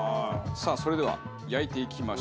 さあそれでは焼いていきましょう。